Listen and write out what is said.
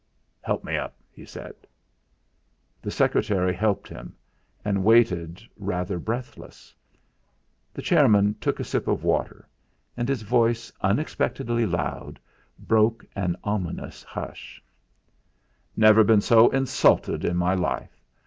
"Help me up," he said. The secretary helped him, and waited, rather breathless. The chairman took a sip of water, and his voice, unexpectedly loud, broke an ominous hush: "Never been so insulted in my life.